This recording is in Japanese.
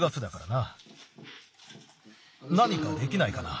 なにかできないかな？